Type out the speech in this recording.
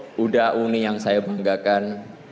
sis dan bro udah uni yang saya banggakan